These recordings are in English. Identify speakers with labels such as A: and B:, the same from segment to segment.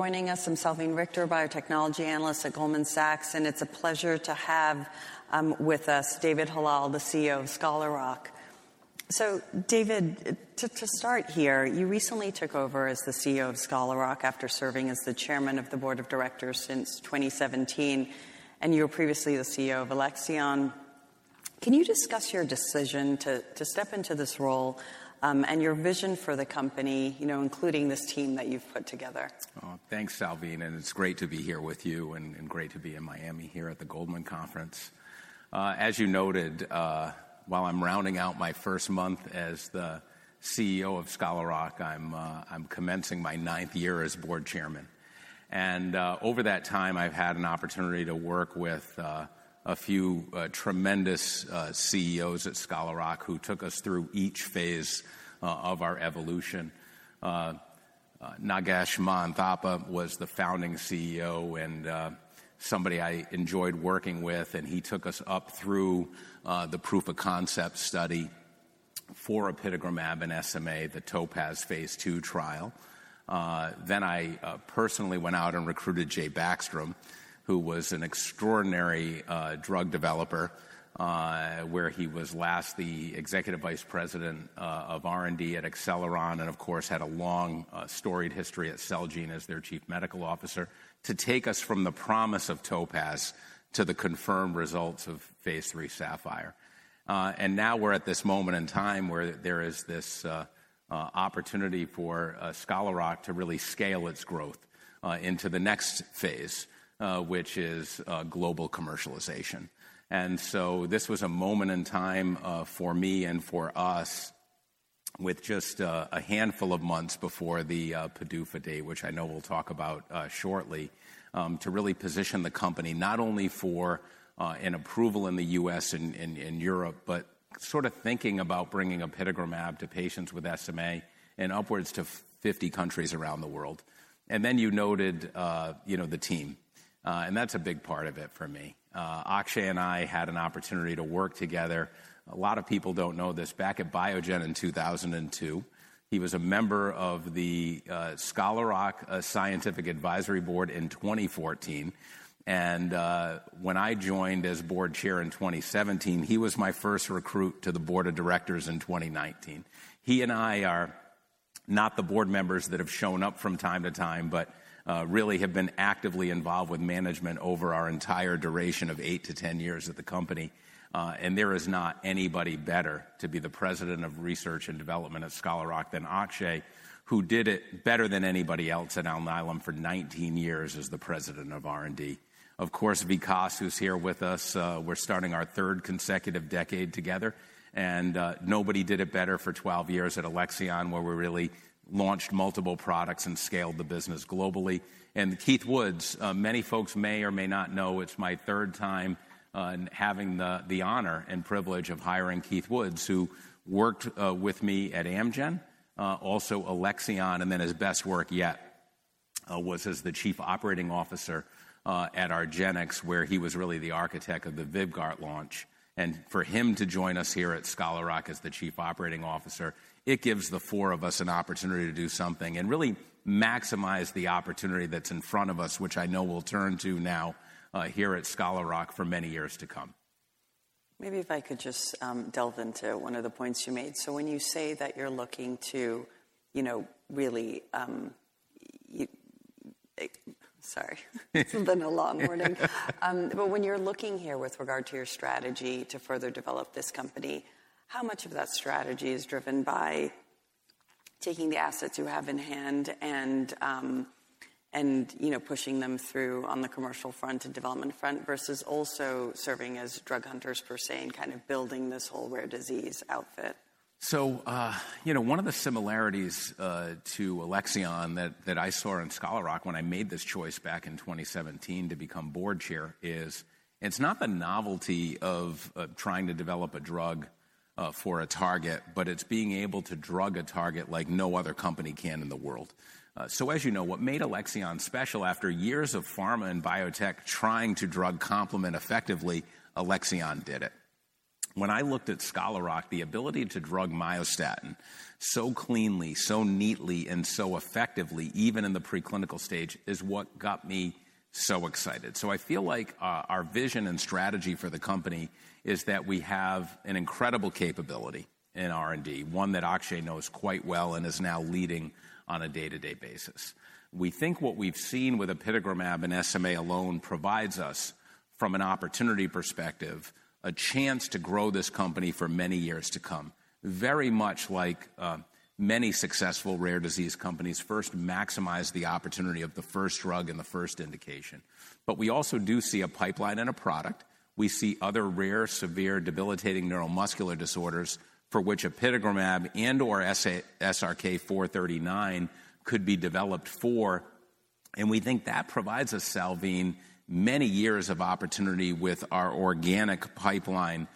A: Joining us, I'm Selvine Richter, biotechnology analyst at Goldman Sachs, and it's a pleasure to have with us David Hallal, the CEO of Scholar Rock. David, to start here, you recently took over as the CEO of Scholar Rock after serving as the Chairman of the Board of Directors since 2017, and you were previously the CEO of Alexion. Can you discuss your decision to step into this role and your vision for the company, including this team that you've put together?
B: Thanks, Selvine, and it's great to be here with you and great to be in Miami here at the Goldman Conference. As you noted, while I'm rounding out my first month as the CEO of Scholar Rock, I'm commencing my ninth year as Board Chairman. Over that time, I've had an opportunity to work with a few tremendous CEOs at Scholar Rock who took us through each phase of our evolution. Nagesh Mahanthappa was the founding CEO and somebody I enjoyed working with, and he took us up through the proof of concept study for apitegromab in SMA, the TOPAZ phase II trial. I personally went out and recruited Jay Backstrom, who was an extraordinary drug developer, where he was last the Executive Vice President of R&D at Acceleron and, of course, had a long storied history at Celgene as their Chief Medical Officer, to take us from the promise of Topaz to the confirmed results of phase III Sapphire. Now we are at this moment in time where there is this opportunity for Scholar Rock to really scale its growth into the next phase, which is global commercialization. This was a moment in time for me and for us, with just a handful of months before the PDUFA date, which I know we will talk about shortly, to really position the company not only for an approval in the U.S. in Europe, but sort of thinking about bringing apitegromab to patients with SMA and upwards to 50 countries around the world. You noted the team, and that's a big part of it for me. Akshay and I had an opportunity to work together. A lot of people do not know this. Back at Biogen in 2002, he was a member of the Scholar Rock Scientific Advisory Board in 2014. When I joined as Board Chair in 2017, he was my first recruit to the Board of Directors in 2019. He and I are not the board members that have shown up from time to time, but really have been actively involved with management over our entire duration of eight to ten years at the company. There is not anybody better to be the President of Research and Development at Scholar Rock than Akshay, who did it better than anybody else at Alnylam for 19 years as the President of R&D. Of course, Vikas who's here with us, we're starting our third consecutive decade together, and nobody did it better for 12 years at Alexion, where we really launched multiple products and scaled the business globally. Keith Woods, many folks may or may not know, it's my third time having the honor and privilege of hiring Keith Woods, who worked with me at Amgen, also Alexion, and then his best work yet was as the Chief Operating Officer at argenx, where he was really the architect of the Vyvgart launch. For him to join us here at Scholar Rock as the Chief Operating Officer, it gives the four of us an opportunity to do something and really maximize the opportunity that's in front of us, which I know we'll turn to now here at Scholar Rock for many years to come.
A: Maybe if I could just delve into one of the points you made. When you say that you're looking to really, sorry, it's been a long morning, but when you're looking here with regard to your strategy to further develop this company, how much of that strategy is driven by taking the assets you have in hand and pushing them through on the commercial front and development front versus also serving as drug hunters per se and kind of building this whole rare disease outfit?
B: One of the similarities to Alexion that I saw in Scholar Rock when I made this choice back in 2017 to become Board Chair is it's not the novelty of trying to develop a drug for a target, but it's being able to drug a target like no other company can in the world. As you know, what made Alexion special after years of pharma and biotech trying to drug complement effectively, Alexion did it. When I looked at Scholar Rock, the ability to drug myostatin so cleanly, so neatly, and so effectively, even in the preclinical stage, is what got me so excited. I feel like our vision and strategy for the company is that we have an incredible capability in R&D, one that Akshay knows quite well and is now leading on a day-to-day basis. We think what we've seen with apitegromab in SMA alone provides us, from an opportunity perspective, a chance to grow this company for many years to come, very much like many successful rare disease companies first maximize the opportunity of the first drug and the first indication. We also do see a pipeline and a product. We see other rare, severe, debilitating neuromuscular disorders for which apitegromab and/or SRK-439 could be developed for, and we think that provides us, Selvine, many years of opportunity with our organic pipeline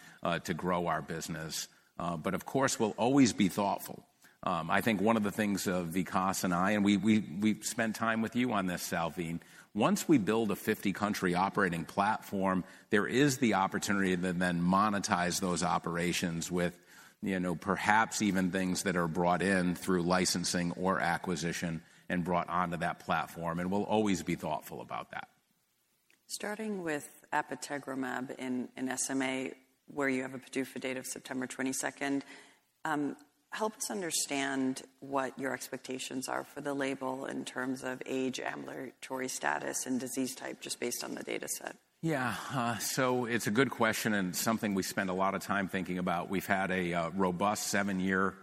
B: to grow our business. Of course, we'll always be thoughtful. I think one of the things Vikas and I, and we've spent time with you on this, Selvine, once we build a 50-country operating platform, there is the opportunity to then monetize those operations with perhaps even things that are brought in through licensing or acquisition and brought onto that platform, and we'll always be thoughtful about that.
A: Starting with apitegromab and SMA, where you have a PDUFA date of September 22, help us understand what your expectations are for the label in terms of age, ambulatory status, and disease type, just based on the dataset.
B: Yeah, so it's a good question and something we spend a lot of time thinking about. We've had a robust seven-year,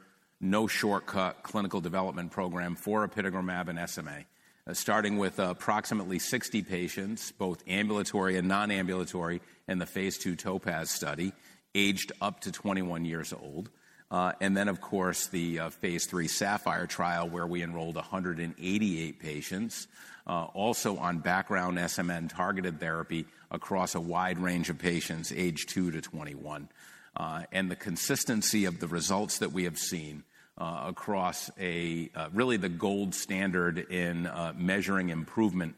B: no shortcut clinical development program for apitegromab in SMA, starting with approximately 60 patients, both ambulatory and non-ambulatory, in the phase II TOPAZ study, aged up to 21 years old. Of course, the phase III SAPPHIRE trial, where we enrolled 188 patients, also on background SMN-targeted therapy across a wide range of patients aged 2 to 21. The consistency of the results that we have seen across really the gold standard in measuring improvement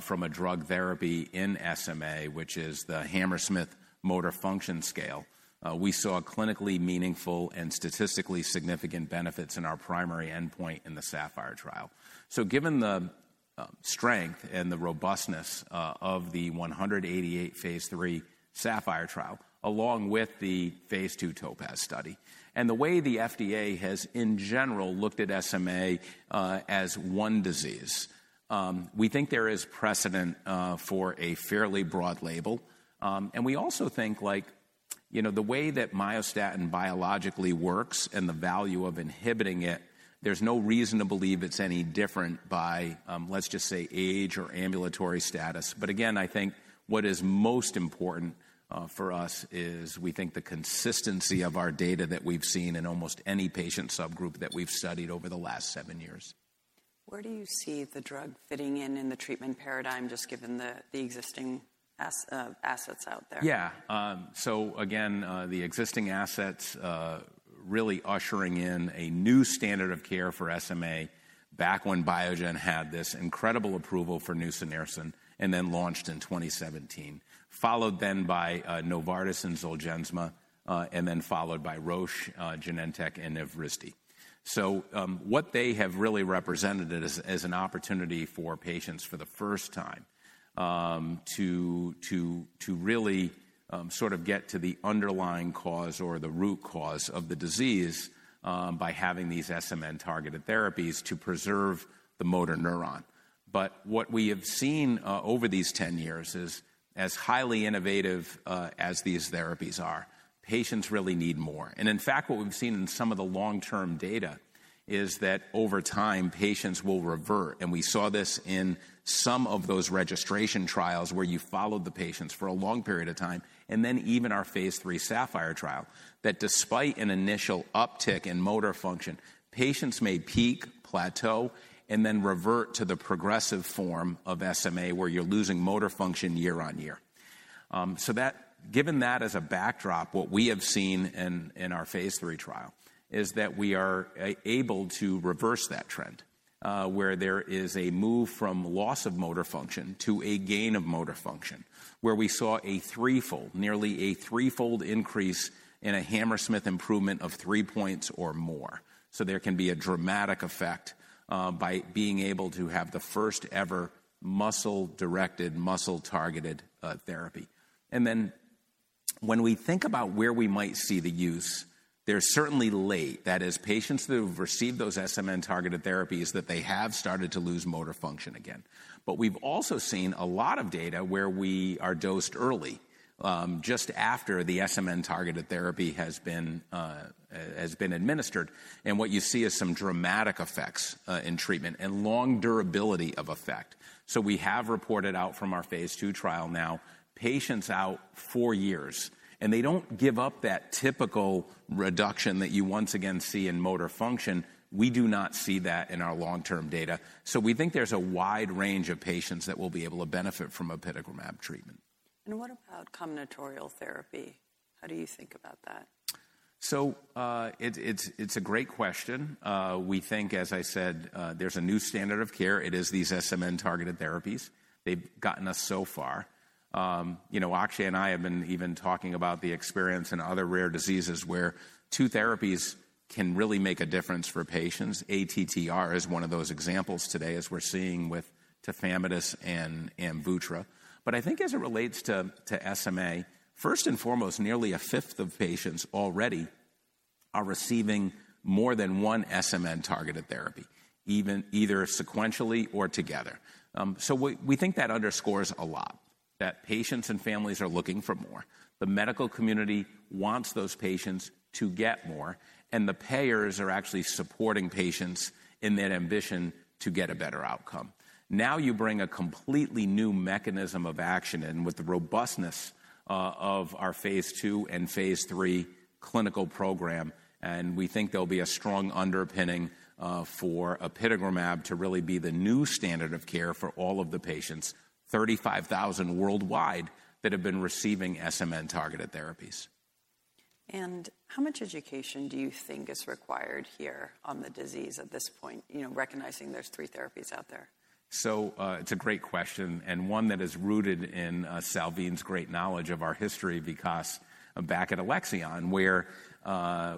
B: from a drug therapy in SMA, which is the Hammersmith Functional Motor Scale, we saw clinically meaningful and statistically significant benefits in our primary endpoint in the SAPPHIRE trial. Given the strength and the robustness of the 188 phase III SAPPHIRE trial, along with the phase II TOPAZ study, and the way the FDA has, in general, looked at SMA as one disease, we think there is precedent for a fairly broad label. We also think the way that myostatin biologically works and the value of inhibiting it, there's no reason to believe it's any different by, let's just say, age or ambulatory status. Again, I think what is most important for us is we think the consistency of our data that we've seen in almost any patient subgroup that we've studied over the last seven years.
A: Where do you see the drug fitting in in the treatment paradigm, just given the existing assets out there?
B: Yeah, so again, the existing assets really ushering in a new standard of care for SMA back when Biogen had this incredible approval for Spinraza and then launched in 2017, followed then by Novartis and Zolgensma, and then followed by Roche, Genentech, and Evrysdi. What they have really represented is an opportunity for patients for the first time to really sort of get to the underlying cause or the root cause of the disease by having these SMN-targeted therapies to preserve the motor neuron. What we have seen over these 10 years is, as highly innovative as these therapies are, patients really need more. In fact, what we've seen in some of the long-term data is that over time, patients will revert, and we saw this in some of those registration trials where you followed the patients for a long period of time, and then even our phase III SAPPHIRE trial, that despite an initial uptick in motor function, patients may peak, plateau, and then revert to the progressive form of SMA where you're losing motor function year on year. Given that as a backdrop, what we have seen in our phase III trial is that we are able to reverse that trend, where there is a move from loss of motor function to a gain of motor function, where we saw a threefold, nearly a threefold increase in a Hammersmith improvement of three points or more. There can be a dramatic effect by being able to have the first ever muscle-directed, muscle-targeted therapy. When we think about where we might see the use, they're certainly late. That is, patients that have received those SMN-targeted therapies that have started to lose motor function again. We've also seen a lot of data where we are dosed early, just after the SMN-targeted therapy has been administered, and what you see is some dramatic effects in treatment and long durability of effect. We have reported out from our phase II trial now, patients out four years, and they don't give up that typical reduction that you once again see in motor function. We do not see that in our long-term data. We think there's a wide range of patients that will be able to benefit from apitegromab treatment.
A: What about combinatorial therapy? How do you think about that?
B: It's a great question. We think, as I said, there's a new standard of care. It is these SMN-targeted therapies. They've gotten us so far. Akshay and I have been even talking about the experience in other rare diseases where two therapies can really make a difference for patients. ATTR is one of those examples today, as we're seeing with Tafamidis and Amvuttra. I think as it relates to SMA, first and foremost, nearly a fifth of patients already are receiving more than one SMN-targeted therapy, either sequentially or together. We think that underscores a lot that patients and families are looking for more. The medical community wants those patients to get more, and the payers are actually supporting patients in that ambition to get a better outcome. Now you bring a completely new mechanism of action in with the robustness of our phase II and phase III clinical program, and we think there'll be a strong underpinning for apitegromab to really be the new standard of care for all of the patients, 35,000 worldwide that have been receiving SMN-targeted therapies.
A: How much education do you think is required here on the disease at this point, recognizing there are three therapies out there?
B: It's a great question, and one that is rooted in Selvine's great knowledge of our history, Vikas, back at Alexion, where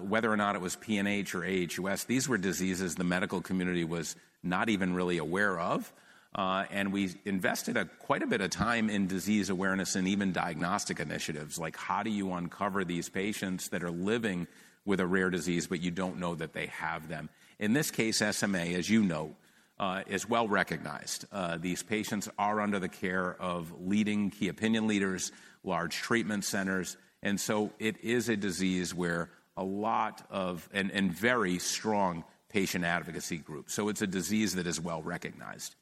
B: whether or not it was PNH or AHUS, these were diseases the medical community was not even really aware of. We invested quite a bit of time in disease awareness and even diagnostic initiatives, like how do you uncover these patients that are living with a rare disease, but you don't know that they have them. In this case, SMA, as you know, is well recognized. These patients are under the care of leading key opinion leaders, large treatment centers, and so it is a disease where a lot of and very strong patient advocacy groups. It's a disease that is well recognized.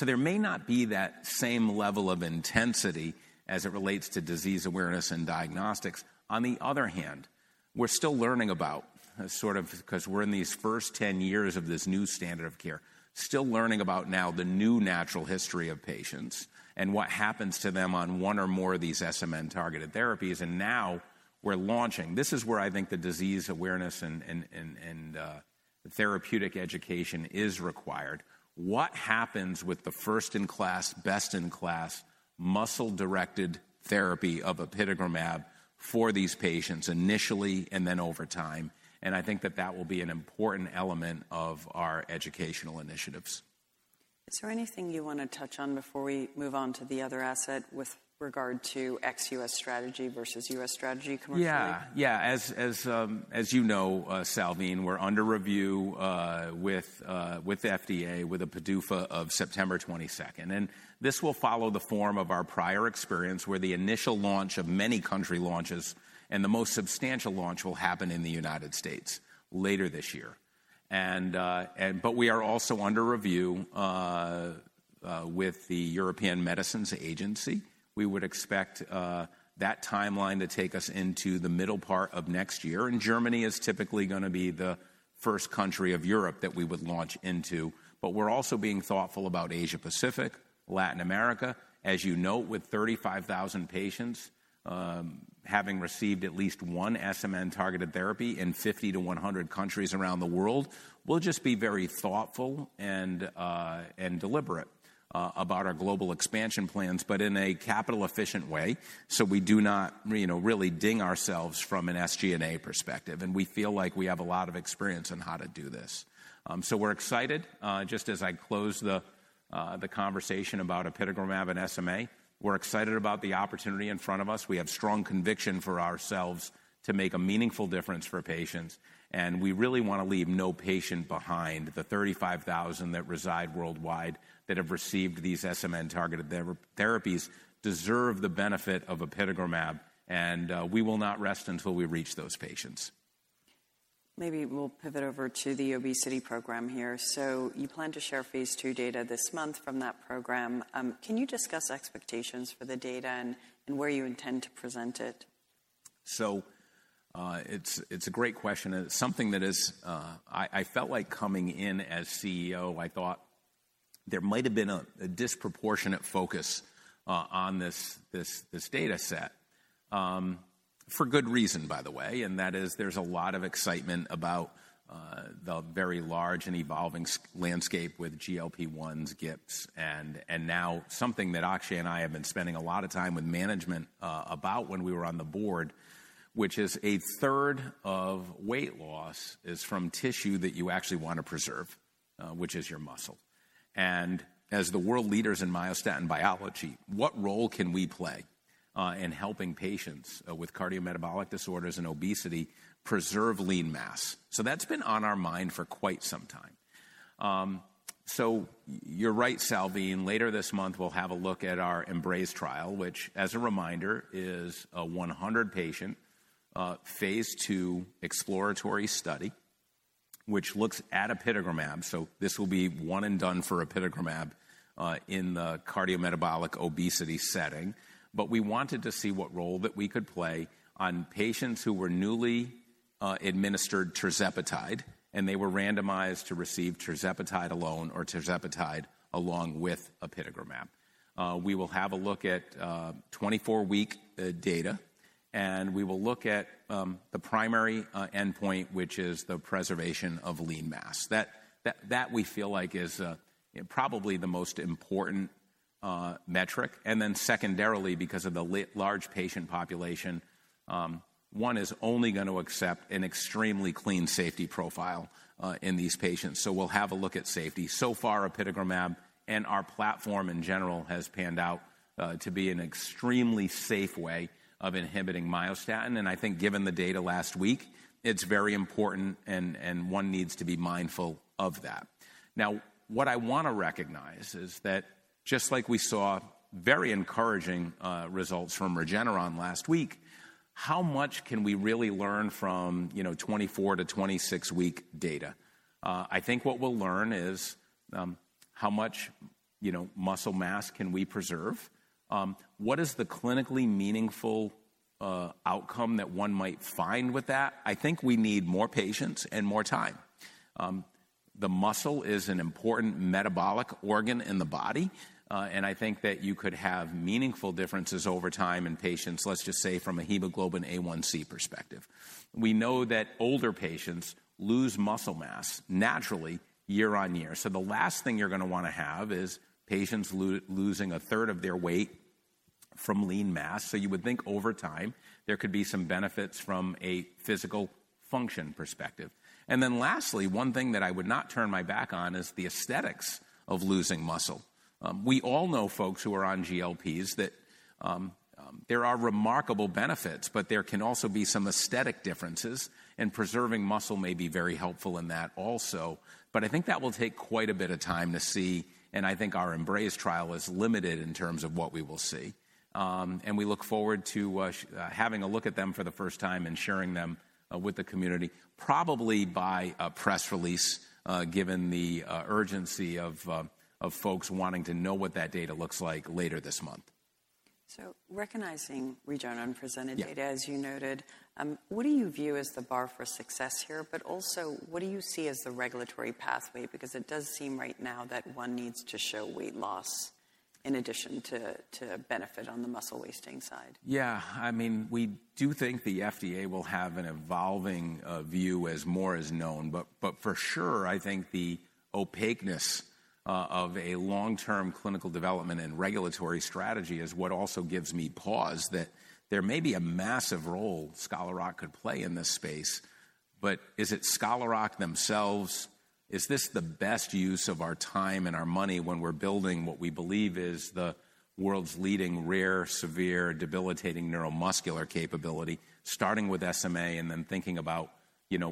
B: There may not be that same level of intensity as it relates to disease awareness and diagnostics. On the other hand, we're still learning about, sort of because we're in these first 10 years of this new standard of care, still learning about now the new natural history of patients and what happens to them on one or more of these SMN-targeted therapies. Now we're launching. This is where I think the disease awareness and therapeutic education is required. What happens with the first-in-class, best-in-class muscle-directed therapy of apitegromab for these patients initially and then over time? I think that that will be an important element of our educational initiatives.
A: Is there anything you want to touch on before we move on to the other asset with regard to ex-U.S. strategy versus U.S. strategy commercially?
B: Yeah, yeah. As you know, Selvine, we're under review with the FDA with a PDUFA of September 22. This will follow the form of our prior experience where the initial launch of many country launches and the most substantial launch will happen in the United States later this year. We are also under review with the European Medicines Agency. We would expect that timeline to take us into the middle part of next year. Germany is typically going to be the first country of Europe that we would launch into. We are also being thoughtful about Asia Pacific, Latin America. As you note, with 35,000 patients having received at least one SMN-targeted therapy in 50-100 countries around the world, we'll just be very thoughtful and deliberate about our global expansion plans, but in a capital-efficient way, so we do not really ding ourselves from an SG&A perspective. We feel like we have a lot of experience in how to do this. We're excited, just as I closed the conversation about apitegromab and SMA. We're excited about the opportunity in front of us. We have strong conviction for ourselves to make a meaningful difference for patients. We really want to leave no patient behind. The 35,000 that reside worldwide that have received these SMN-targeted therapies deserve the benefit of apitegromab, and we will not rest until we reach those patients.
A: Maybe we'll pivot over to the obesity program here. You plan to share phase II data this month from that program. Can you discuss expectations for the data and where you intend to present it?
B: It's a great question. It's something that is, I felt like coming in as CEO, I thought there might have been a disproportionate focus on this dataset, for good reason, by the way. That is, there's a lot of excitement about the very large and evolving landscape with GLP-1s, GIPs, and now something that Akshay and I have been spending a lot of time with management about when we were on the board, which is a third of weight loss is from tissue that you actually want to preserve, which is your muscle. As the world leaders in myostatin biology, what role can we play in helping patients with cardiometabolic disorders and obesity preserve lean mass? That's been on our mind for quite some time. You're right, Selvine. Later this month, we'll have a look at our EMBRACE trial, which, as a reminder, is a 100-patient phase II exploratory study, which looks at apitegromab. This will be one and done for apitegromab in the cardiometabolic obesity setting. We wanted to see what role that we could play on patients who were newly administered tirzepatide, and they were randomized to receive tirzepatide alone or tirzepatide along with apitegromab. We will have a look at 24-week data, and we will look at the primary endpoint, which is the preservation of lean mass. That we feel like is probably the most important metric. Then secondarily, because of the large patient population, one is only going to accept an extremely clean safety profile in these patients. We will have a look at safety. So far, apitegromab and our platform in general has panned out to be an extremely safe way of inhibiting myostatin. I think given the data last week, it's very important, and one needs to be mindful of that. Now, what I want to recognize is that just like we saw very encouraging results from Regeneron last week, how much can we really learn from 24-26 week data? I think what we'll learn is how much muscle mass can we preserve? What is the clinically meaningful outcome that one might find with that? I think we need more patients and more time. The muscle is an important metabolic organ in the body, and I think that you could have meaningful differences over time in patients, let's just say from a hemoglobin A1C perspective. We know that older patients lose muscle mass naturally year on year. The last thing you're going to want to have is patients losing a third of their weight from lean mass. You would think over time there could be some benefits from a physical function perspective. Lastly, one thing that I would not turn my back on is the aesthetics of losing muscle. We all know, folks who are on GLPs, that there are remarkable benefits, but there can also be some aesthetic differences, and preserving muscle may be very helpful in that also. I think that will take quite a bit of time to see, and I think our Embrace trial is limited in terms of what we will see. We look forward to having a look at them for the first time and sharing them with the community, probably by a press release, given the urgency of folks wanting to know what that data looks like later this month.
A: Recognizing Regeneron presented data, as you noted, what do you view as the bar for success here, but also what do you see as the regulatory pathway? Because it does seem right now that one needs to show weight loss in addition to benefit on the muscle wasting side.
B: Yeah, I mean, we do think the FDA will have an evolving view as more is known. For sure, I think the opaqueness of a long-term clinical development and regulatory strategy is what also gives me pause that there may be a massive role Scholar Rock could play in this space. Is it Scholar Rock themselves? Is this the best use of our time and our money when we're building what we believe is the world's leading rare, severe, debilitating neuromuscular capability, starting with SMA and then thinking about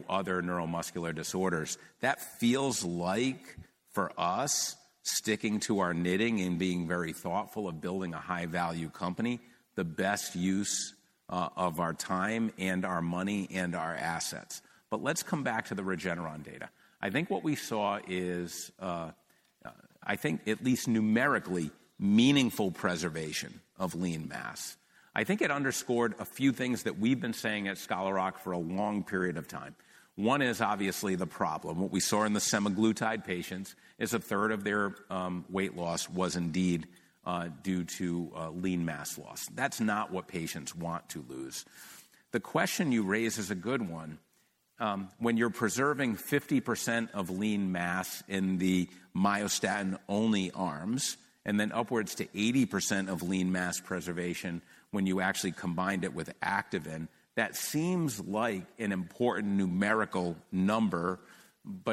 B: other neuromuscular disorders? That feels like, for us, sticking to our knitting and being very thoughtful of building a high-value company, the best use of our time and our money and our assets. Let's come back to the Regeneron data. I think what we saw is, I think at least numerically, meaningful preservation of lean mass. I think it underscored a few things that we've been saying at Scholar Rock for a long period of time. One is obviously the problem. What we saw in the semaglutide patients is a third of their weight loss was indeed due to lean mass loss. That's not what patients want to lose. The question you raise is a good one. When you're preserving 50% of lean mass in the myostatin-only arms and then upwards to 80% of lean mass preservation when you actually combined it with Akshay Vaishnaw, that seems like an important numerical number.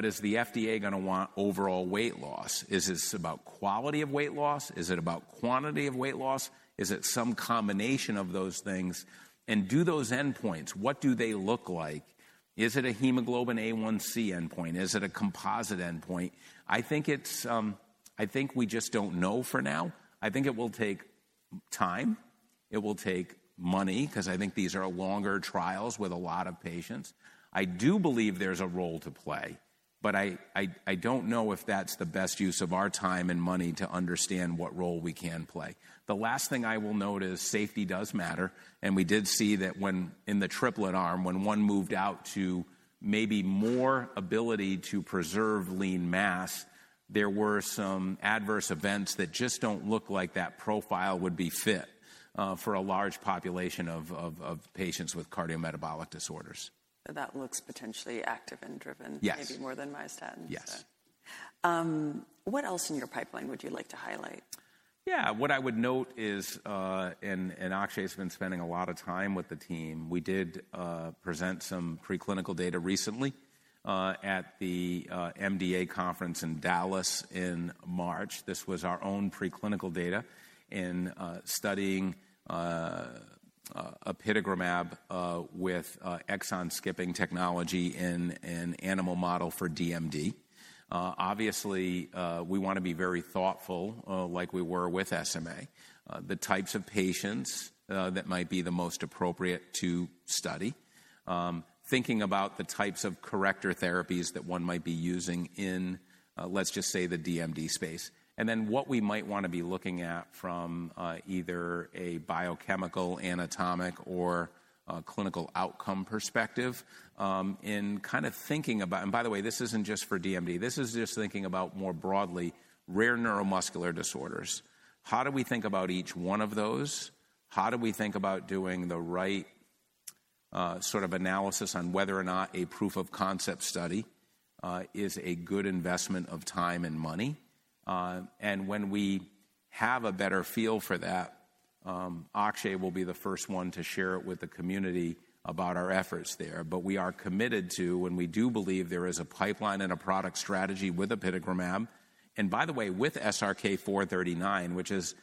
B: Is the FDA going to want overall weight loss? Is this about quality of weight loss? Is it about quantity of weight loss? Is it some combination of those things? Do those endpoints, what do they look like? Is it a hemoglobin A1C endpoint? Is it a composite endpoint? I think we just don't know for now. I think it will take time. It will take money because I think these are longer trials with a lot of patients. I do believe there's a role to play, but I don't know if that's the best use of our time and money to understand what role we can play. The last thing I will note is safety does matter. We did see that in the triplet arm, when one moved out to maybe more ability to preserve lean mass, there were some adverse events that just don't look like that profile would be fit for a large population of patients with cardiometabolic disorders.
A: That looks potentially active and driven, maybe more than myostatin.
B: Yes.
A: What else in your pipeline would you like to highlight?
B: Yeah, what I would note is, and Akshay has been spending a lot of time with the team, we did present some preclinical data recently at the MDA conference in Dallas in March. This was our own preclinical data in studying apitegromab with exon skipping technology in an animal model for DMD. Obviously, we want to be very thoughtful, like we were with SMA, the types of patients that might be the most appropriate to study, thinking about the types of corrector therapies that one might be using in, let's just say, the DMD space. And then what we might want to be looking at from either a biochemical, anatomic, or clinical outcome perspective in kind of thinking about, and by the way, this isn't just for DMD. This is just thinking about more broadly rare neuromuscular disorders. How do we think about each one of those? How do we think about doing the right sort of analysis on whether or not a proof of concept study is a good investment of time and money? When we have a better feel for that, Akshay will be the first one to share it with the community about our efforts there. We are committed to, when we do believe there is a pipeline and a product strategy with apitegromab, and by the way, with SRK-439, which is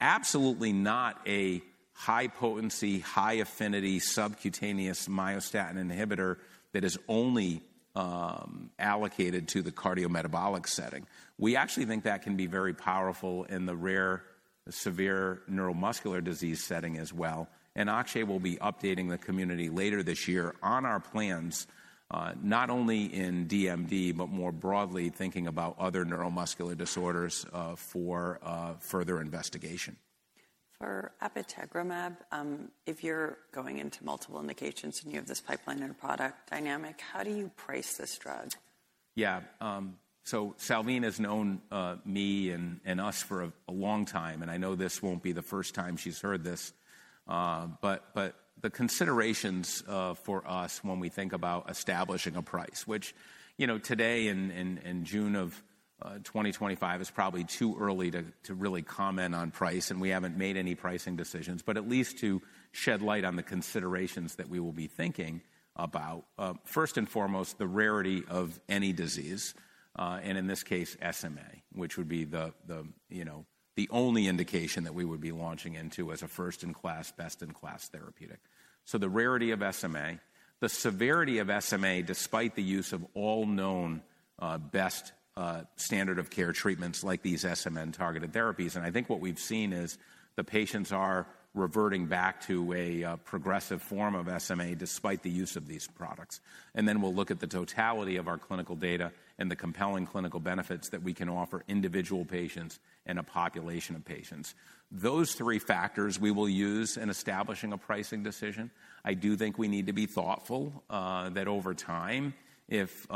B: absolutely not a high-potency, high-affinity subcutaneous myostatin inhibitor that is only allocated to the cardiometabolic setting. We actually think that can be very powerful in the rare, severe neuromuscular disease setting as well. Akshay will be updating the community later this year on our plans, not only in Duchenne Muscular Dystrophy, but more broadly thinking about other neuromuscular disorders for further investigation.
A: For apitegromab, if you're going into multiple indications and you have this pipeline and product dynamic, how do you price this drug?
B: Yeah, so Selvine has known me and us for a long time, and I know this won't be the first time she's heard this. The considerations for us when we think about establishing a price, which today in June of 2025 is probably too early to really comment on price, and we haven't made any pricing decisions, but at least to shed light on the considerations that we will be thinking about. First and foremost, the rarity of any disease, and in this case, SMA, which would be the only indication that we would be launching into as a first-in-class, best-in-class therapeutic. The rarity of SMA, the severity of SMA, despite the use of all known best standard of care treatments like these SMN targeted therapies. I think what we've seen is the patients are reverting back to a progressive form of SMA despite the use of these products. We will look at the totality of our clinical data and the compelling clinical benefits that we can offer individual patients and a population of patients. Those three factors we will use in establishing a pricing decision. I do think we need to be thoughtful that over time, if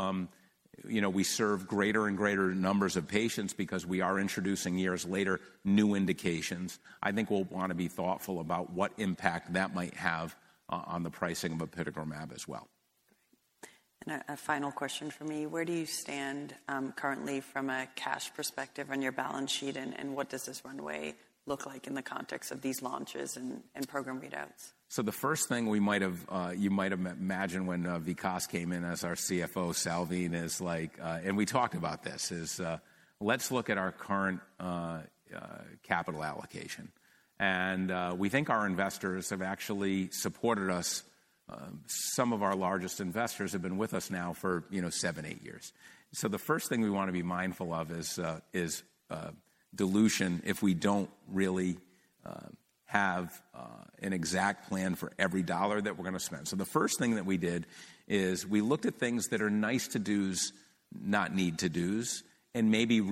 B: we serve greater and greater numbers of patients because we are introducing years later new indications, I think we'll want to be thoughtful about what impact that might have on the pricing of apitegromab as well.
A: A final question for me. Where do you stand currently from a cash perspective on your balance sheet, and what does this runway look like in the context of these launches and program readouts?
B: The first thing we might have, you might have imagined when Vikas came in as our CFO, Selvine, is like, and we talked about this, is let's look at our current capital allocation. We think our investors have actually supported us. Some of our largest investors have been with us now for seven, eight years. The first thing we want to be mindful of is dilution if we do not really have an exact plan for every dollar that we are going to spend. The first thing that we did is we looked at things that are nice to-dos, not need to-dos, and maybe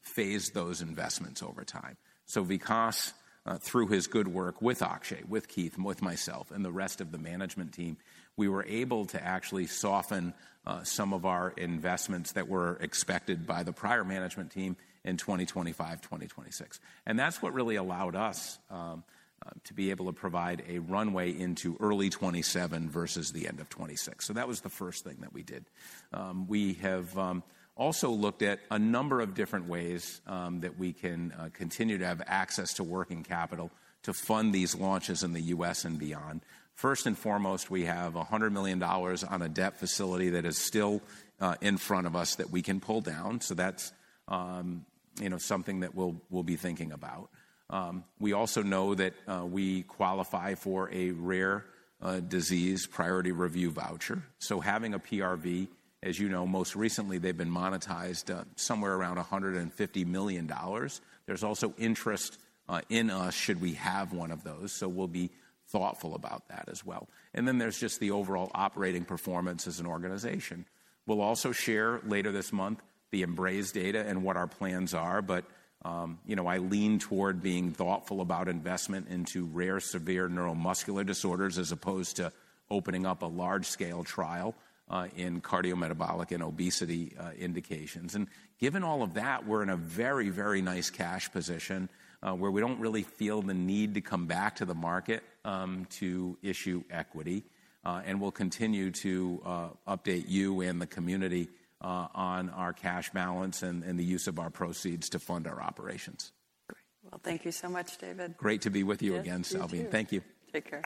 B: phased those investments over time. Vikas, through his good work with Akshay, with Keith, with myself, and the rest of the management team, we were able to actually soften some of our investments that were expected by the prior management team in 2025, 2026. That is what really allowed us to be able to provide a runway into early 2027 versus the end of 2026. That was the first thing that we did. We have also looked at a number of different ways that we can continue to have access to working capital to fund these launches in the U.S. and beyond. First and foremost, we have $100 million on a debt facility that is still in front of us that we can pull down. That is something that we will be thinking about. We also know that we qualify for a rare disease priority review voucher. Having a PRV, as you know, most recently they've been monetized somewhere around $150 million. There's also interest in us should we have one of those. We'll be thoughtful about that as well. There's just the overall operating performance as an organization. We'll also share later this month the Embrace data and what our plans are. I lean toward being thoughtful about investment into rare severe neuromuscular disorders as opposed to opening up a large-scale trial in cardiometabolic and obesity indications. Given all of that, we're in a very, very nice cash position where we don't really feel the need to come back to the market to issue equity. We'll continue to update you and the community on our cash balance and the use of our proceeds to fund our operations.
A: Great. Thank you so much, David.
B: Great to be with you again, Selvine. Thank you.
A: Take care.